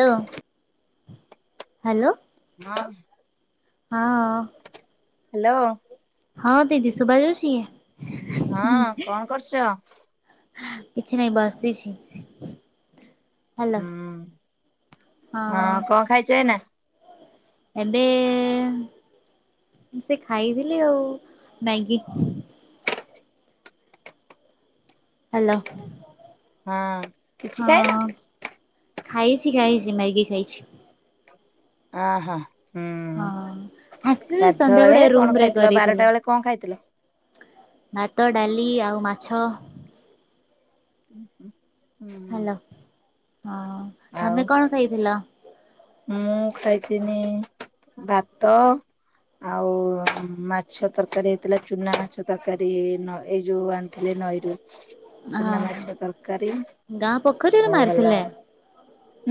ଲୋ hello. ହଁ‌। ହଁ। Hello. ହଁ ଦିଦି ଶୁଭାଯାଉଛିି‌? ହଁ କଣ କରୁଚ? କିଛି ନାହିଁ ବସିଛି। ହ୍ୟାଲୋ ହୁଁ ହଁ କଣ ଖାଇଚ ଏଇନା? ଏବେ ସେ ଖାଇଥିଲି ଆଉ ମ୍ୟାଗି। ହ୍ଯାଲୋ ହଁ କିଛି ହଁ। ଖାଇନ? ଖାଇଛି ଖାଇଛି ମ୍ୟାଗି ଖାଇଛି। ଆ ହା। ହଁ ହସିଲ୍ଲି ଗାଧୁଆଳେ ସନ୍ଧ୍ୟାବଡେ କଣ ରୁମରେ ଖାଇଥିଲ ବାରଟା କରିଥିଲେ। ବେଳେ କଣ ଖାଇଥିଲ? ଭାତ, ଡାଲି ଆଉ ମାଛ। ହୁ ହୁ ହୁଁ ହ୍ୟାଲୋ ହଁ ଆଉ ତମେ କଣ ଖାଇଥିଲ? ମୁଁ ଖାଇଥିନି ଭାତ ଆଉ ମାଛ ତରକାରି ହେଇଥିଲା ଚୁନା ମାଛ ତରକାରି ନ ଏଇ ଯୋଉ ଆନ୍ ଥିଲେ ନଈରୁ ଚୁନାମାଛ ଓହୋ ତରକାରି ଗାଁ ପୋଖରୀରେ ଆଉ ହେଲା ମାରିଥିଲେ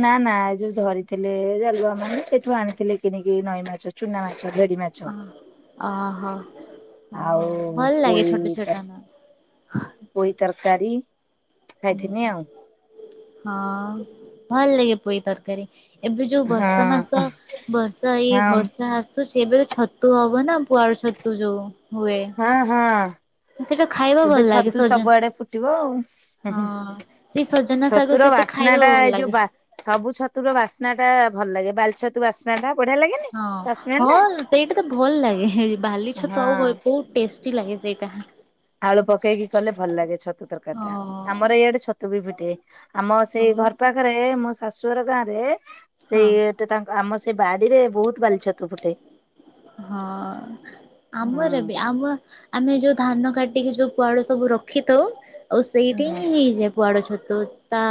ନା ନା ଏ ଯୋଉ ଧରିଥିଲେ ଜାଲୁଆମାନେ ସେଠୁ ଆଣିଥିଲେ କିଣିକି ନଈ ମାଛ ଚୁନାମାଛ ଝରି ମାଛ। ଓହୋ ଓ ଆଉ ଭଲ ଲାଗେ ଛୋଟ ପୋଇ ଛୋଟ ତର ନା ପୋଇ ତରକାରି। ଉଁହୁଁ ହଁ ଭଲ୍ ଲାଗେ ପୋଇ ତରକାରି। ଏବେ ଯୋଉ ବର୍ଷ ମାସ ହଁ ବର୍ଷା ଏଇ ହଁ ବର୍ଷା ଆସୁଚି ଏବେ ଛତ୍ ତୁ ହବନା ପୁଆଳ ଛତୁ ଯୋଉ ହୁଏ। ହଁ ହଁ। ସେଇଟା ଖାଇବା ଭଲ ଏବେ ଲାଗେ ଛତୁ ସଜ ସବୁଆଡେ ଫୁଟିବ ଆଉ ଉଁ ହୁଁ ହଁ ସେଇ ସଜନା ଶାଗ ଛତୁର ବା ସହିତ ଖାଇବା ସ୍ନାଟା ଭଲ ଏଇ ଯୋଉ ଲାଗେ। ବା ସବୁ ଛତୁର ବାସ୍ନାଟା ଭଲ୍ ଲାଗେ ବାଲ୍ ଛତୁ ବାସ୍ନାଟା ବଢିଆ ଲାଗେନି ହଁ ହଁ ବାସ୍ନାଟା? ସେଇଟା ତ ଭଲ ଲାଗେ ହେ ବାଲି ଛତୁ ଆଉ କଏ ବହୁତ୍ ଟେଷ୍ଟି ଲାଗେ ସେଇଟା। ଆଳୁ ପକେଇକି କଲେ ଭଲ ଲାଗେ ଛତୁ ତରକାରି ହଁ ଟା ଆମର ଏଇଆଡେ ଛତୁ ବି ଫିଟେ। ଆମ ସେଇ ହଁ ଘର ପାଖରେ ମୋ ଶାଶୁ ଘର ଗାଁରେ ହଁ। ସେଇ ଟି ତାଙ୍କ ଆମ ସେ ବାଡିରେ ବହୁତ୍ ବାଲି ଛତୁ ଫୁଟେ। ହଁ ଆମର ହୁଁ ବି ଆମ ଆମେ ଯୋଉ ଧାନ କାଟିକି ଯୋଉ ପୁଆଳ ସବୁ ରଖିଥାଉ ଆଉ ହୁଁ ସେଇଠି ହିଁ ଯାପ କୁଆଡ ଛତୁ ତା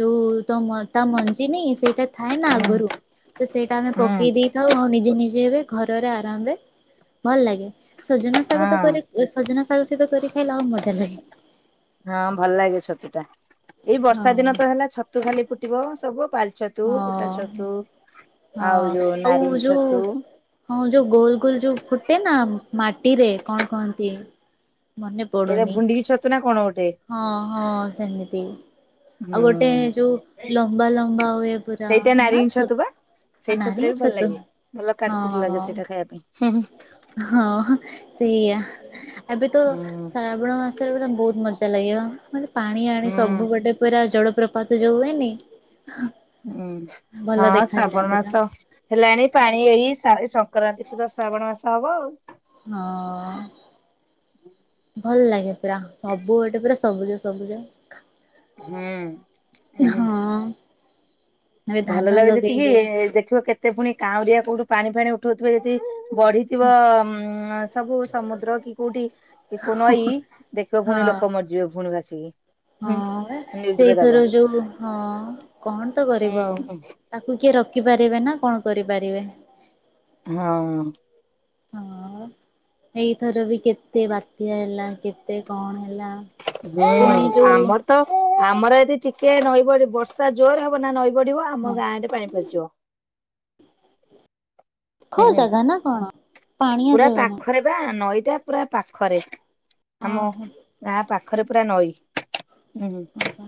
ଯୋଉ ତ ମ ତା ମଞ୍ଜିି ନାଇଁ ସେଇଟା ଥାଏ ନା ହୁଁ ଆଗରୁ ତ ସେଇଟା ଆମେ ହୁଁ। ପକେଇ ଦେଇଥାଉ ଆଉ ନିଜେ ନିଜେ ରେ ଘରର ଆରାମରେ ଭଲ ଲାଗେ ସଜନା ଶାଗ ତ ହଁ କରି ଏ ସଜନା ଶାଗ ସହିତ କରି ଖାଇଲେ ଆଉ ମଜା ଲାଗେ। ହଁ ଭଲ ଲାଗେ ଛତୁଟା ଏଇ ବର୍ଷା ଦିନ ହଁ ତ ହେଲା ଛତୁ ଖାଲି ଫୁଟିବ ସବୁ ପାଲି ଛତ୍ ତୁ କୁଟା ହଁ ଛତୁ ଆଉ ହଁ ଯୋଉ ଆଉ ନାରିଙ୍ଗ୍ ଯୋଉ ଛତୁ। ହଁ ଯୋଉ ଗୋଲ ଗୋଲ ଯୋଉ ଫୁଟେ ନା ମାଟିରେ କଣ କହନ୍ତି? ମାନେ ବ ଏଇଟା ଭୁଣ୍ଡିି କି ଛତୁ ନା କ? କଣ ଗୋଟେ ହଁ ହଁ ସେମିତି ଆଉ ହୁଁ ଗୋଟେ ଯୋଉ ଲମ୍ବା ଲମ୍ବା ହୁଏ ପୁରା ସେଇଟା ନା ନାରୀଙ୍ଗ୍ ଛ ଛତୁ ବା? ସେଇ ଛତୁଟା ନାରିଙ୍ଗି ବି ଭଲ ଛତୁ ଲାଗେ ଭଲ କାଟକୁଟ ଲାଗେ ସେଇଟା ଖାଇବା ପାଇଁ ହଁ ହଁ ଏଇଆ ଏବେ ତ ହୁଁ ଶ୍ରାବଣ ମାସରେ ପୁରା ବହୁତ ମଜ ମଜା ଲାଗିବ ମାନେ ପାଣି ଆଣି ହୁଁ ସବୁ ଗୋଟେ ପୁରା ଜଳପ୍ରପାତ ଯୋଉ ହୁଏନି? ହୁଁ ଭଲ ହଁ ଦେଖାଯାଏ ଶ୍ରାବଣ ପୁରା ମାସ। ହେଲାଣି ପାଣି ଏଇ ସା ସଂକ୍ରାନ୍ତି ସୁଧା ଶ୍ରାବଣ ମାସ ହବ ଆଉ ହ ଅ। ଭଲ ଲାଗେ ପୁରା ସବୁ ଗୋଟେ ପୁରା ସବୁଜ ସବୁଜ। ହୁଁଉ ହୁଁ ହଁ ଏବେ ଭଲ ଧାନ ଲାଗେ ଯେତିକି ଲଗେଇବେ ଦେଖିବ କେତେ ଏତେ ପୁଣି କାଉଁରିଆ କୋଉଠୁ ପାଣି ଫାଣି ଉଠୋଉଥିବେ ଯଦି ବଢିଥିବ ଉଁ ସବୁ ସମୁଦ୍ର କି କୋଉଠି ଇକୋ ନଈ ଦେଖିବ ପୁଣି ହଁ ଲୋକ ମରିଯିବେ ପୁଣି ଭାସିକି। ହୁଁ ହଁ ବା ନ୍ୟୁଜରେ ଦବ। ସେଇଥର ଯୋଉ ହଁ କଣ ତ କରିବ ହଁ ଆଉ ହୁଁ ତାକୁ କିଏ ରଖିପାରିବେ ନା କଣ କରିପାରିବେ? ହଁ। ହଁ ଏଇଥର ବି କେତେ ବାତ୍ୟା ହେଲା କେତେ କଣ ହେଲା। ହୁଁ ପୁଣି ଯୋଉ ଆମର ତ ଆମର ଏଦି ଟିକିଏ ନଈବଢି ବର୍ଷା ଜୋର ହବ ନା ନଈ। ବଢିବ ଆମ ହଁ ଗାଁରେ ପାଣି ପଶିଯିବ। ହୁଁ ଖୋ ହୁଁ ଜାଗା ନା କଣ? ପାଣିଆ ଜାଗା ନା ପାଖରେ ପୁରା ନଈଟା ପୁରା ପାଖରେ ଆମ ଓହୋ ଗାଁ ପାଖରେ ପୁରା ନଈ। ହୁଁ ଓହୋ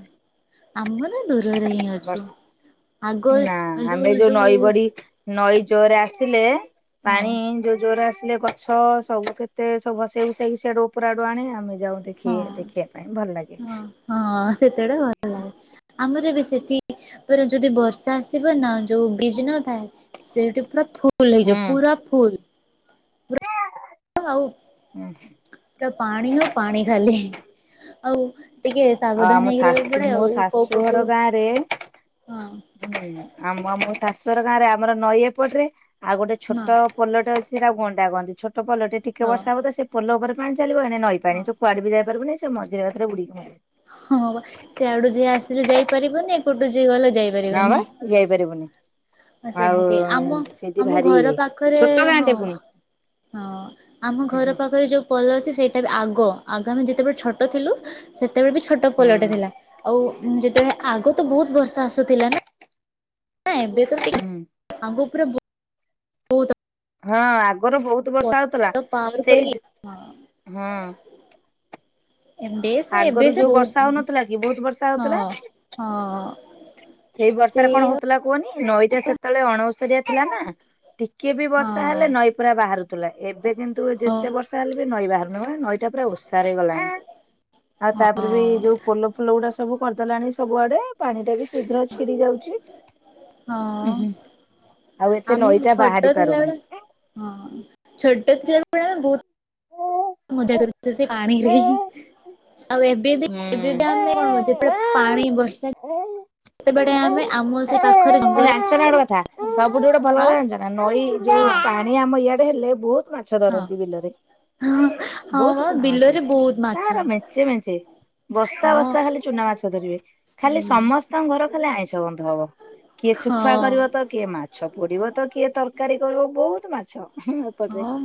ଆମର ଦୂରରେ ହିଁ। ବର୍ଷ ଆଗ ନା ଏ ଆମେ ଯୋଉ ଯୋଉ ନଈ ବଡି ନଈ ଜୋରରେ ଆସିଲେ। ହଁ ପାଣି ଯୋଉ ଜୋରରେ ଆସିଲେକ ଛ ସବୁ କେତେ ସବୁ ସେଆଡୁ ଉପର ଆଡୁ ଆଣେ ଆମେ ଯାଉଚୁ। ଦେଖି ହଁ। ଦେଖିବା ପାଇଁ ଭଲ ଲାଗେ। ହଁ ହଁ ସେତେବେଳେ ଭଲ ଲାଗେ। ଆମର ବି ସେଠିପ ଯଦି ବର୍ଷା ଆସିଥିବ ନା ଯୋଉ ବ୍ରିଜ ନଥାଏ ସେଇଠି ପୁରା ଫୁଲ୍ ହୁଁ ହେଇଯିବ ପୁରା ଫୁଲ୍। ଆଉ ହୁଁ ପାଣି ହ ପାଣି ଖାଲି ଆଉ ଟିକିଏ ଆଉ ସାବଧାନ ଆମ ହେଇକି ରହିବାକୁ ଶାଶୁ ପଡେ ମୋ ଆଉ କୋଉ ଶାଶୁଘର ପଟୁ ହଁ। ହୁଁ ଆମମୋଶାଶୁଘର ଗାଁ ରେ ଆମର ନଈ ଏପଟରେ ଆଉ ଗୋଟେ ହଁ ଛୋଟ ପୋଲଟେଅଛି ସେଟା କୁଗଣ୍ଡା କହନ୍ତି। ଛୋଟୋ ପୋଲୋଟେ ହଁ ଟିକିଏବର୍ଷା ହବ ସେ ପୋଲ ଉପରେ ପାଣି ଚାଲିବ। ଏଣେ ନଈ ପାଣି ହଁ ସେ କୁଆଡେ ବି ଯାଇପାରିବୁନି ସେ ମଝିରାତ୍ରିରେ ବୁଡିକି ଥାଏ। ହଁ ସିଆଡୁ ଯିଏ ଆସିଲେ ଯାଇପାରିବନି ଏପଟୁ ଯିଏ ଗଲେ ଯାଇ ନାଁ ବା ଯାଇପାରିବୁନି। ହଁ ଆଉ ସେମିତି ଆମ ସେଠି ଆମ ଭାରି ଘର ଇଏ ପାଖରେ ଛୋଟ ହଁ। ଗାଁଟେ ପୁଣି। ହଁ ଆମ ଘର ହୁଁ ପାଖରେ ଯୋଉ ପୋଲ ଅଛି ସେଇଟା ବି ଆଗ। ଆଗ ଆମେ ଯେତେବେଳେ ଛୋଟ ଥିଲୁ ସେତେବେଳେ ବି ଛୋଟ ପୋଲଟେ ହୁଁ ଥିଲା। ଆଉ ଯେତେବେଳେ ଆଗ ତ ବହୁତ ବର୍ଷା ଆସୁଥିଲା ନା? ନାଁ ଏବେତ ଟିକିଏ। ଆଗପୂରା ବହୁ ହଁ ଆଗରୁ ବହୁତ୍ ବର୍ଷା ହୋଉଥିଲା। ବହୁତ ପାୱାର କରି ସେଇଜୁ ହଁ ହଁ। ଏବେ ସେ ଏବେ ଆଗରୁ ସେ ଯୋଉ ବର୍ଷା ବହୁତ ହୋଉନଥିଲା କି? ବହୁତ ବର୍ଷା ହୋଉଥିଲା। ହଁ ହଁ। ହେଇ ବର୍ଷାରେ କଣ ସେଇଆ ହୋଉଥିଲା କୁହନି ନଈଟା ସେତେବେଳେ ଅଣ ଓସାରିଆ ଥିଲା ନା ଟିକିଏ ବି ବର୍ଷା ହଁ ହେଲେ ନଈ ପୁରା ବାହାରୁଥିଲା। ଏବେ କିନ୍ତୁ ଯେତେ ହଁ ବର୍ଷ ବର୍ଷା ହେଲେ ବି ନଈ ବାହାରୁନି। ନଈଟା ପୁରା ଓଷାର ହେଇଗଲାଣି। ଆଉ ତାପରେ ବି ହଁ ଯୋଉ ପୋଲ ପୋଲଗୁଡା ସବୁ କରିଦେଲାଣି ସବୁଆଡେ। ପାଣି ଟା ବି ଶୀଘ୍ର ଛିଡି ଯାଉଚି। ହଁ ଉହୁଁ। ଆଉ ଏତେ ଆମେ ନଈଟା ଛୋଟ ବାହାରି ପାରୁନି। ଥିଲାବେଳେ ହଁ ଛୋଟ ଥିଲା ବେଳେ ବହୁତ ହୁଁ। ମଜା କରୁଥିଲୁ ସେ ପାଣିରେ ହିଁ ଆଉ ଏବେ ବି ଏବେ ବା ଆମର ଯେବେ ପାଣି ବର୍ଷା ସେତେବେଳେ ଆମେ ଆମ ସେଇ ପାଖରେ ଜଙ୍ଗଲ ଜାଣିଚ ନା ଗୋଟେ କଥା ସବୁଠୁ ଗୋଟେ ଭଲ ହଁ ଜାଗା ଜାଣିଚ ନା ନଈ ଯୋଉ ହଁ କା ହେ ଆମ ଇଆଡେ ହେଲେ ବହୁତ ମାଛ ହଁ। ଧରନ୍ତି। ବିଲରେ ହଁ ହଁ ବା ବହୁତ ଚୁନ ମାଛ ବିଲରେ ବହୁତ ମାଛ ୟାରେ ମେଞ୍ଚେ ମେଞ୍ଚେ ବସ୍ତା ହଁ। -ବସ୍ତା ଖାଲି ଚୁନା ମାଛ ଧରିବେ। ଖାଲି ହୁଁ ସମସ୍ତଙ୍କ ଘର ଖାଲି ଆଇଁଷ ଗନ୍ଧ ହବ। କିଏ ହଁ ଶୁଖୁଆ କରିବ ତ କିଏ ମାଛ ପୋଡିବ ତ କିଏ ତରକାରୀ କରିବ ବହୁତ ମାଛ ହୁଁ ହଁ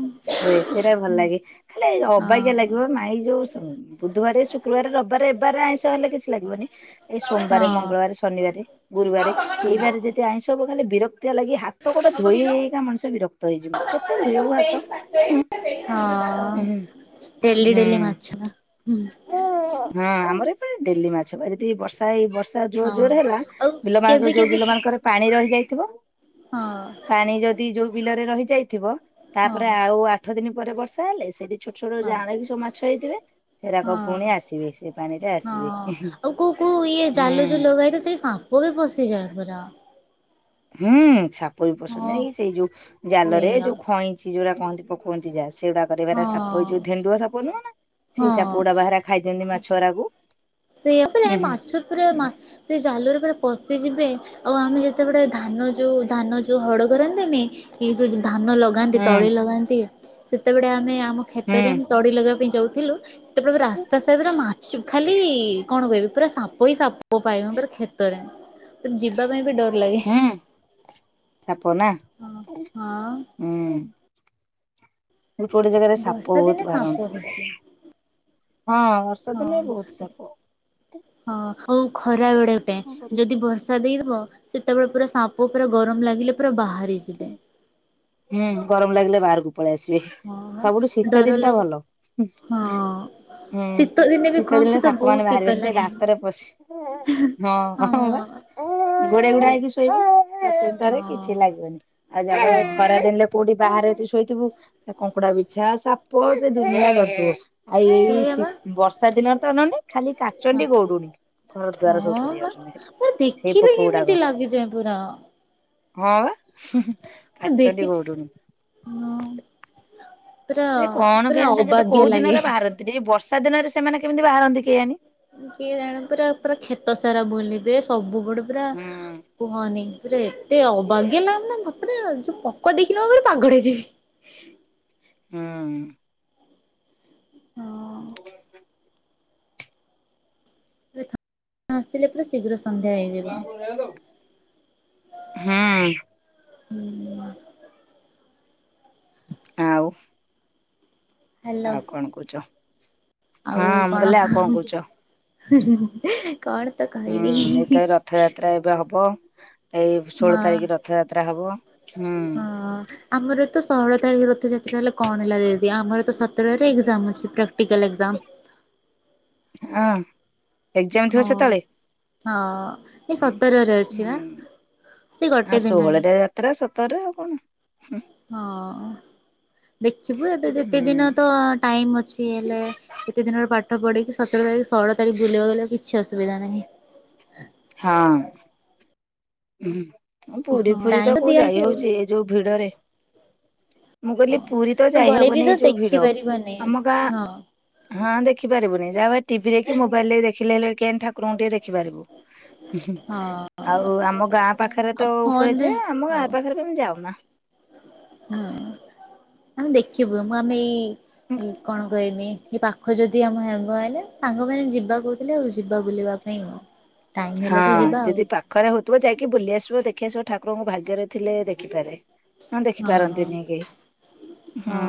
ହୁଏ ସେଇଟା ଭଲ ହୁଁ ଲାଗେ ଖାଲି ଅବାଗିଆ ହଁ। ଲାଗିବ ନାଇ [unintelligible] ବୁଧବାରେ, ଶୁକ୍ରବାରେ, ରବିବାରେ ଏବାରରେ ଆଇଁଷ ହେଲେ କିଛି ଲାଗିବନି। ଏଇ ସୋମବାରେ, ହଁ। ମଙ୍ଗଳବାରେ, ଶନିବାରେ, ଗୁରୁବାରେ, ଏଇ ହଁ ବାର ଯଦି ଆଇଁଷ ହବ ଖାଲି ବିରକ୍ତିଆ ଲାଗି ହାତ ହାତ ଗୋଡ଼ ଧୋଇ ହେଇ ହେଇକା ମଣିଷ ବିରକ୍ତ ହେଇଯିବ। କେତେ ଧୋଇବ ହାତ ଡେଲି ଡେଲି ମାଛ ନା ହୁଁ ହୁଁ ହଁ ଆମର ପା ଏ ଡେଲି ମାଛ ଧରିବେ ଏ ବର୍ଷା ତ ଏଇ ବର୍ଷା ଜୋର ହଁ ଜୋରେ ହେଲା ଆଉ ବିଲ ମାନଙ୍କରେ କେବେ ଯୋଉ କେବେ ବିଲ ମାନଙ୍କରେ ପାଣି ରହିଯାଇଥିବ ତା ହଁ ପାଣି ଯଦି ଯୋଉ ବିଲରେ ରହି ଯାଇଥିବ। ହଁ ତାପରେ ଆଉ ଆ ଆଠ ଦିନ ପରେ ବର୍ଷା ହେଲେ ସେଇଠି ଛୋଟ ଛୋଟ ହଁ ଯାଆଁଳ ବି ସବୁ ମାଛ ହେଇଥିବେ ସେରାକ ପୁଣି ହଁ ଆସିବେ ସେ ପାଣିରେ ହଁ ଆସିବେ ଆଉ କୋଉ କୋଉ ଇଏ ହୁଁ ଜାଲୁ [unintelligible] କେବେ ପଶିଯାଏ ପୁରା ହୁଁ ସାପ ବି ହଁ ପସନ୍ତି ସେଇ ଯୋଉ ଜାଲରେ ସେଇଆ ଯୋଉ ଖଇଁ ସେ ଯୋଉଟା କହନ୍ତି ପକୁନ୍ତି ଯା ସେଗୁଡା ର ସାପ ହଁ ହେଉଛି ଢେଣ୍ଡୁଆ ସାପ ନୁହଁ ନା ସେଇ ହଁ। ସାପଗୁଡା ବାହାରେ ଖାଇ ଦିଅନ୍ତି ମାଛଗୁରା କୁ [unintelligible] ସେ ଜାଲରେ ପୁରା ପଶିଯିବେ ଆଉ ଆମେ ଯେତେବେଳେ ଧାନ ଯେଉଁ ଧାନ ଯୋଉ ହଡ଼ କରନ୍ତିନି ଏ ଯୋଉ ଧାନ ଲଗାନ୍ତି। ହୁଁ ତଳି ଲଗାନ୍ତି ସେତେବେଳେ ଆମେ ଆମ ହୁଁ କ୍ଷେତରେ ଆମେ ତଡି ଲଗେଇବା ପାଇଁ ଯାଉଥିଲୁ। ସେତେବେଳେ ରାସ୍ତା ସାରା ମାଛ ଖାଲି। କଣ କହିବି ପୁରା ସାପ ହିଁ ସାପ ପାଏ। ପୁରା କ୍ଷେତରେ ପୁର ଯିବା ପାଇଁ ବି ଡର ଲାଗେ। ହୁଁ ସାପ ନା। ହଁ- ହଁ। ଉଁ ଗୋଟେ -ଗୋଟେ ଜାଗାରେ ସାପ ବର୍ଷା ଦିନେ ବହୁତ ସାପ ବାହାରନ୍ତି। ବେଶୀ ହଁ। ହଁ ବର୍ଷା ଦିନେ ବହୁତ ସାପ। ହଁ ହଉ ଖରା ବେଳ ପାଇଁ କଣ କରିବ ଯଦି ବର୍ଷା ଦେଇଦବ ସେତେବେଳେ ପୁରା ସାପ ପୁରା ଗରମ ଲାଗିଲେ ପୁରା ବାହାରିଆସିବ। ହୁଁ ଗରମ ଲାଗିଲା ବାହାରକୁ ପଳେଇ ଆସିବେ ହଁ ବା ସବୁଠୁ ଶୀତ ଡର ଦିନ ଟା ଲାଗେ ଭଲ। ହୁଁ ହଁ ଦିନେ ବି ଶୀତ କମ୍ ଦିନରେ ଶୀତ ସାପ ବହୁତ ମାନେ ଶୀତ ବାହାରିବେନି ସେ ଲାଗେ। ଗାତରେ ପଶି ହୁଁ ହଁ [inaudible] ଘୋଡେଇ ଘୋଡା ସେ ହେଇକି ଶୋଇବ। ଶୀତରେ ହଁ କିଛି ଲାଗିବନି। ଆଉ ଯାଇକି ହଁ ଖରାଦିନେ କୋଉଠି ବାହାରେ ତୁ ଶୋଇଥିବୁ କଙ୍କଡା ବିଛା, ସାପ, ସେ ଦୁନିଆ ବାହାରିବେ ଆଉ ଇଏ ସେଇଆ ସି ବା ବର୍ଷା ଦିନରେ ତ ଅନାନି ଖାଲି କାଚଣ୍ଡି ଗଉଡ଼ୁଣୀ। ଘର ଦୁଆର ହଁ ସବୁ ହଁ ଚଢି ବା ଯାଉଛନ୍ତି। ପୁରା ସେଇ ଦେଖିଲେ ପୋକ କେମିତି ଗୁଡାକ। ଲାଗିଯାଏ ପୁରା ହଁ ବା ହୁଁ -ହୁଁ ହଁ ଦେଖି କାଚଣ୍ଡି ଗଉଡ଼ୁଣୀ। ହଁ ପୁରା ସେ କଣ ପୁରା କେଜାଣି ତାଙ୍କ ତ ଅବାଗ୍ୟା କୋଉ ଲାଗେ। ଦିନରେ ବାହାରନ୍ତିନି। ଏ ବର୍ଷା ଦିନରେ ସେମାନେ କେମିତି ବାହାରନ୍ତି କେଜାଣି। କିଏ ଜାଣ ପୁରା ପୁରା କ୍ଷେତ ସାରା ବୁଲିବେ ସବୁ ପଡ ପୁରା। ହୁଁ କୁହନି ପୁରା ଏତେ ଅବାଗିଆଲାଗୁଚିନା ସତରେ ଯୋଉ ପୋକ ଦେଖିଲେ ପୁରା ପାଗଳ ହେଇ ଯିବି। ହୁଁ। ହଁ। ହ ଆସିଲେ ପୁରା ଶୀଘ୍ର। ସନ୍ଧ୍ୟା ହେଇଯିବ ହୁଁ। [inaudible] ଆଉ। ହ୍ୟାଲୋ ଆଉ କଣ କହୁଚ ହଁ ମୁଁ କହିଲି ଆଉ କଣ କହୁଚ? କଣ। ତ ହୁଁ କହିବି ଏଇଥ ଏ ରଥଯାତ୍ରା ଏବେ ହବ ଏଇ ମା ଷୋଳ ତାରିକି ରଥଯାତ୍ରା ହବ। ହୁଁ। ହଁ ଆମର ତ ଷୋହଳ ତାରିଖ ରଥଯାତ୍ରା ହେଲା କଣ ହେଲା ଯେଦି ଆମର ତ ସତରରେ ଏକେଜାମ୍ ଅଛି ପ୍ରାକ୍ଟିକାଲ ଏକେଜାମ୍। ହଁ। ଏକ୍ଜାମ ଥିବ ହଁ ସେତେବେଳେ? ହଁ ଏଇ ହୁଁ ସତରରେ ଅଛି ପା। ସେ ଗୋଟେ ଦିନ। ବଳଦେବ ଯାତ୍ରା ସତରରେ ଆଉ କଣ। ହଁ ଦେଖିବୁ ଏବେ ଯେତେ ଦିନ ତ ଟାଇମ୍ ଅଛି ହେଲେ। ଏତେ ଦିନରେ ପାଠ ପଢିକି ସତର ତାରିଖ ଷୋଳତାରିଖ ବୁଲିବାକୁ ଗଲେ ଆଉ କିଛି ଅସୁବିଧା ନାହିଁ। ହଁ। ହୁଁ ପୁରୀ ହଁ ଫୁରୀ ଟାଇମ୍ ତ କୋଉ ଦିଆହେଇଛି ଯାଇ ଆଉ ହୋଉଚି ଏଇ ଯୋଉ ଭିଡରେ। ମୁଁ କହିଲି ପୁରୀ ତ ଗଲେ ବି ଯାଇହବନେହିଁ ତ ଏଇ ଯୋଉ ଦେଖି ଭିଡ ପାରିବାନି। ଆମ ଗାଁ ହଁ ହଁ ଦେଖି ପାରିବୁନେହିଁ ଯାହାହୋଉ ଟିଭିଦେଖି ମୋବାଇଲେ ଦେଖିଲେ ହେଲେ କୋଇଆଣି ଠା ଠାରଙ୍କୁ ଟିକେ ଦେଖି ପାରିବୁ। ହଁ ଆଉ ଆମ ଗାଁ ପାଖରେ ଆଉ ତ ହୁଏ ଫୋନରେ ଯେ ଆମ ହଉ ଗାଁ ପାଖରେ କେବେ ଯାଉନା। ହଁ ଆମେ ଦେଖିବୁ ମୁଁ ଆମେ ଏଇ କଣ କହିନି। ଏ ପାଖ ଯଦି ଆମ ହେବ ହେଲେ ସାଙ୍ଗମାନେ ଯିବା କହୁଥିଲେ ଆଉ ଯିବା ବୁଲିବା ପାଇଁ ଆଉ। ଟାଇମ୍ ହେଲା ଠୁ ଯିବା ଆଉ। ଖରା ହୋଉଥୁବ ଯାଇକି ବୁଲି ଆସିବ ଦେଖି ଆସିବ ଠାକୁରଙ୍କୁ ଭାଗ୍ୟରେ ଥିଲେ ଦେଖିପାରେ। ନଁ ଦେଖି ହଁ। ପାରନ୍ତିନେଇ କେଇ ହଁ।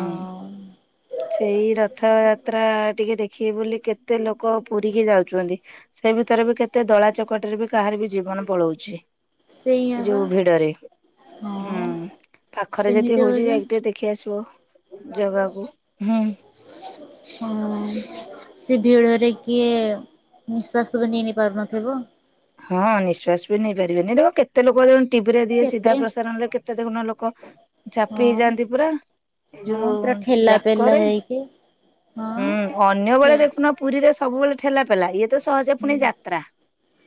ସେଇ ରଥଯାତ୍ରା ଟିକେ ଦେଖିବେ ବୋଲି କେତେ ଲୋକ ପୁରୀକି ଯାଉଚୁନ୍ତି। ସେଇ ଭିତରେ ବି କେତେ ଦଳା ଚକଟରେ ବି କାହାର ବି ଜୀବନ ପଳଉଛି। ସେଇଆ ଏଇ ବା। ଯୋଉ ଭିଡରେ। ହଁ ହୁଁ ପାଖରେ ଯଦି ସେମିତି ହୋଉଚି ହଉଚି। ଯାଇକି ଟିକେ ଦେଖି ଆସିବ ଆଉ। ଜାଗାକୁ ହୁଁ। ହଁ ସେ ଭିଡରେ କିଏ। ନିଶ୍ୱାସ ବି ନେଇ ନେଇ ପାରୁନଥିବ। ହଁ ନିଶ୍ୱସ ବି ନେଇପାରିବେନେହିଁ ହେଟିପା କେତେ ଲୋକ ଟିଭି ରେ ଦିଏ ସିଧା କେତେ ପ୍ରସାରଣରେ କେତ କେତ ଦେଖୁନ ଲୋକ ଚାପି ହଁ ହେଇଯାଆନ୍ତି ପୁରା ଏଇ ହଁ ଯୋଉ ପୁରା ଠେଲା ପେଲା ଚାକରେ। ହେଇକି ହଁ ହୁଁ ଅନ୍ୟ ଠେ ବେଳେ ଦେଖୁନ ପୁରୀରେ ସବୁବେଳେ ଠେଲା ପେଲା ଇଏ ଏତେ ସହଜେ ପୁଣି ଯାତ୍ରା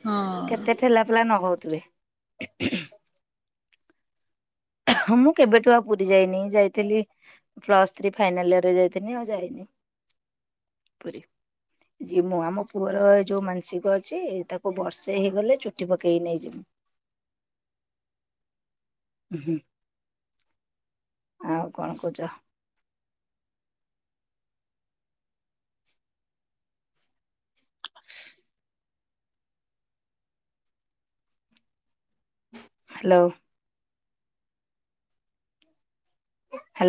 ହଁ। କେତେ ଠେଲା ପଲା ନଗଉଥିବେ। ହଁ ମୁଁ କେବେଠୁ ଆଉ ପୁରୀ ଯାଇନି ଯାଇଥିଲି ପ୍ଲସ୍ ଥ୍ରୀ ଫାଇନାଲ ଇୟରେ ଯାଇଥିନି ଆଉ ଯାଇନେହିଁ ପୁରୀ। ହ ଯିମୁୁ ଆମ ପୁଅର ଯୋଉ ମାନସିକ ଅଛି ତାକୁ ବର୍ଷେ ହେଇଗଲେ ଚୁଟି ପକେଇ ନେଇ ଯମୁ। ହୁଁ ହୁଁ। ଆଉ କଣ କହୁଛ? ହ୍ୟାଲୋ। ହ୍ୟାଲୋ